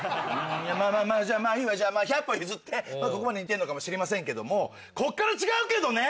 いやまぁまぁまぁいいわ１００歩譲ってここまでは似てるのかもしれませんけどもこっから違うけどね！